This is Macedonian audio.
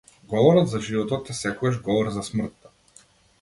Говорот за животот е секогаш говор за смртта.